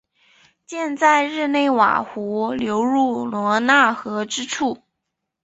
建在日内瓦湖流入罗讷河之处。